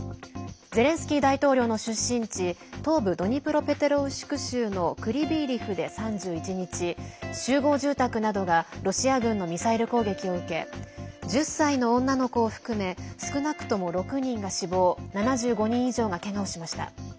ゼレンスキー大統領の出身地東部ドニプロペトロウシク州のクリビーリフで３１日集合住宅などがロシア軍のミサイル攻撃を受け１０歳の女の子を含め少なくとも６人が死亡７５人以上がけがをしました。